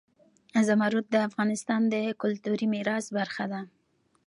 زمرد د افغانستان د کلتوري میراث برخه ده.